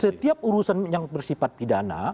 setiap urusan yang bersifat pidana